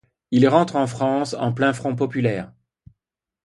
Il rentre en France en plein Front Populaire.